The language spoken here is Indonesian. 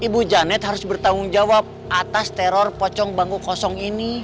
ibu janet harus bertanggung jawab atas teror pocong bangku kosong ini